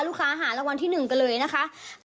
ลูกค้าหาระวัลที่๑ก็เลยนะฮะ